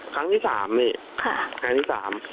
ครั้งที่๓นี่ครั้งที่๓